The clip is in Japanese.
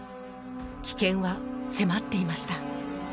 危険は迫っていました。